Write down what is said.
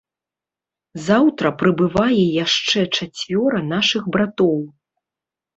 Заўтра прыбывае яшчэ чацвёра нашых братоў.